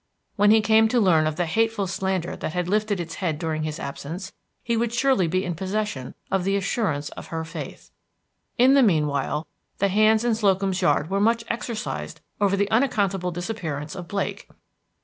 When he came to learn of the hateful slander that had lifted its head during his absence, he should already be in possession of the assurance of her faith. In the mean while the hands in Slocum's Yard were much exercised over the unaccountable disappearance of Blake.